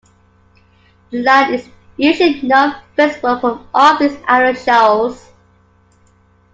The land is usually not visible from off these outer shoals.